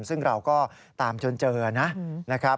ซึ่งเราก็ตามจนเจอนะ